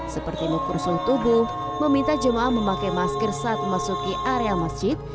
seperti mokursul tubuh meminta jemaah memakai masker saat memasuki areal masjid